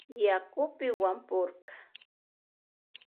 Yakupi wapurka.